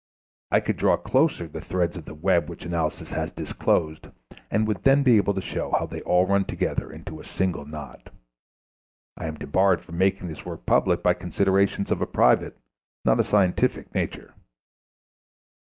I could draw closer the threads of the web which analysis has disclosed, and would then be able to show how they all run together into a single knot; I am debarred from making this work public by considerations of a private, not of a scientific, nature.